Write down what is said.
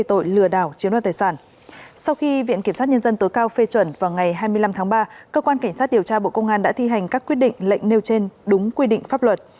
trong tháng ba cơ quan cảnh sát điều tra bộ công an đã thi hành các quyết định lệnh nêu trên đúng quy định pháp luật